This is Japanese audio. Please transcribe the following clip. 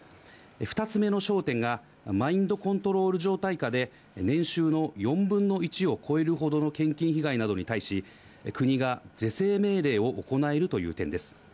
２つ目の焦点が、マインドコントロール状態下で、年収の４分の１を超えるほどの献金被害などに対し、国が是正命令を行えるという点です。